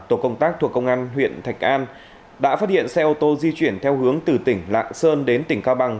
tổ công tác thuộc công an huyện thạch an đã phát hiện xe ô tô di chuyển theo hướng từ tỉnh lạng sơn đến tỉnh cao bằng